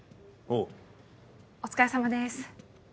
お疲れさまです。